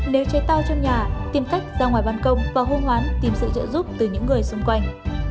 nếu chế tao trong nhà tìm cách ra ngoài bàn công và hô hoán tìm sự trợ giúp từ những người xung quanh